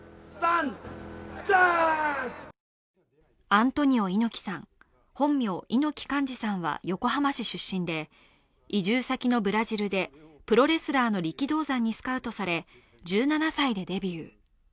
アントニオ猪木さん、本名・猪木寛至さんは横浜市出身で移住先のブラジルでプロレスラーの力道山にスカウトされ１７歳でデビュー。